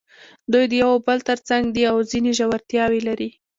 دوی د یو او بل تر څنګ دي او ځینې ژورتیاوې لري.